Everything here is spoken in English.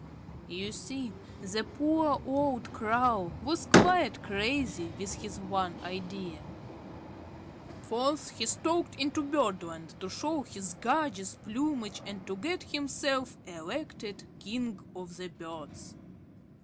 You see the poor old Crow was quite crazy with his one idea. Forth he stalked into Birdland to show his gorgeous plumage and to get himself elected King of the Birds.